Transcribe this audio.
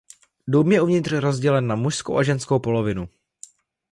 Dům je uvnitř rozdělen na mužskou a ženskou polovinu.